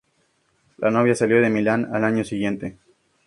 La novia salió de Milán al año siguiente.